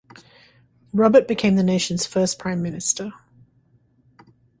Robert became the nation's first prime minister.